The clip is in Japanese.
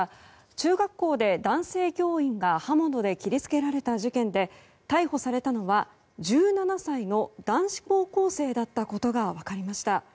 中学校で男性教員が刃物で切り付けられた事件で逮捕されたのは１７歳の男子高校生だったことが分かりました。